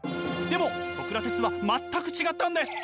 でもソクラテスは全く違ったんです！